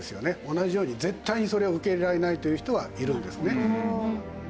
同じように絶対にそれを受け入れられないという人はいるんですね。